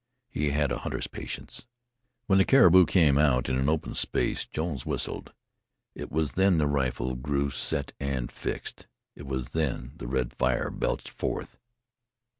He had a hunter's patience. When the caribou came out in an open space, Jones whistled. It was then the rifle grew set and fixed; it was then the red fire belched forth.